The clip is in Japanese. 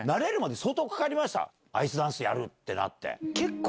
アイスダンスやるってなって。